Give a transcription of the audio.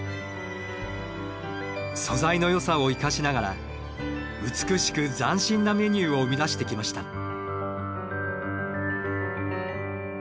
素材のよさを生かしながら美しく斬新なメニューを生み出してきました。